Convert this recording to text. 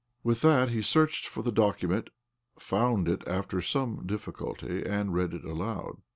With that he searched for the document, found it after some difficulty, and read it aloud.